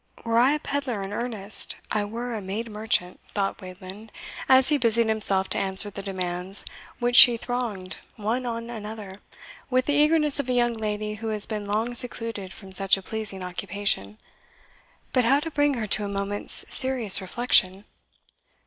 "Were I a pedlar in earnest, I were a made merchant," thought Wayland, as he busied himself to answer the demands which she thronged one on another, with the eagerness of a young lady who has been long secluded from such a pleasing occupation. "But how to bring her to a moment's serious reflection?"